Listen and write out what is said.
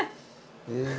へえ。